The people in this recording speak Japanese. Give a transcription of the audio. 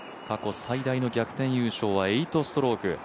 過去最大の逆転優勝は８ストローク。